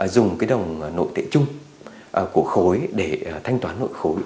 dùng cái đồng nội tệ chung của khối để thanh toán nội khối